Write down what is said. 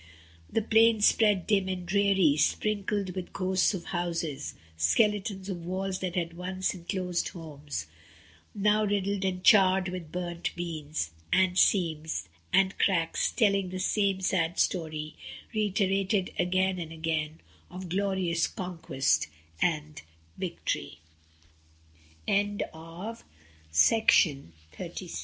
The plain spread dim and dreary, sprinkled with ghosts of houses, skeletons of walls that had once enclosed homes, now riddled and charred with burnt beams, and seams, and cracks, telling the same sad story, reiterated again and again, of glorious co